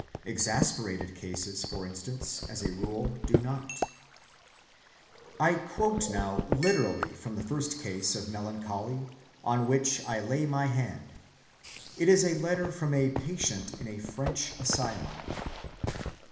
Exasperated cases, for instance, as a rule do not. I quote now literally from the first case of melancholy on which I lay my hand. It is a letter from a patient in a French asylum.